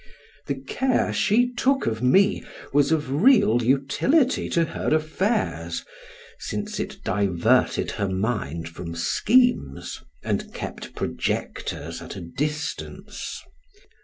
The care she took of me was of real utility to her affairs, since it diverted her mind from schemes, and kept projectors at a distance.